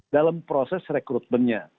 dalam proses rekrutmennya